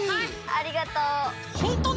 ありがとう！